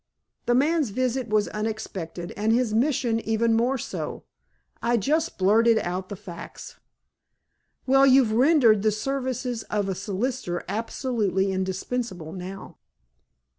"The man's visit was unexpected, and his mission even more so. I just blurted out the facts." "Well, you've rendered the services of a solicitor absolutely indispensable now."